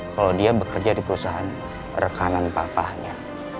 kalau dia bekerja di perusahaan rekaman papahnya